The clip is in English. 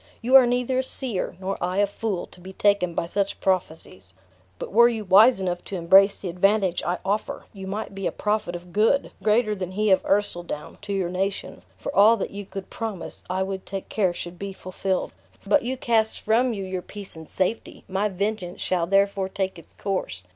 You are neither a seer, nor I a fool, to be taken by such prophecies. But were you wise enough to embrace the advantage I offer, you might be a prophet of good, greater than he of Ercildown, to your nation; for all that you could promise, I would take care should be fulfilled. But you cast from you your peace and safety; my vengeance shall therefore take its course.